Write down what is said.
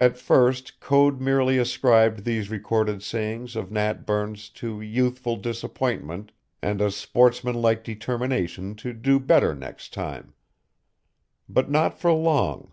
At first Code merely ascribed these recorded sayings of Nat Burns to youthful disappointment and a sportsmanlike determination to do better next time. But not for long.